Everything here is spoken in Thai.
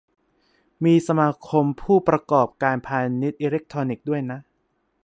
มี สมาคมผู้ประกอบการพาณิชย์อิเล็กทรอนิกส์ ด้วยนะ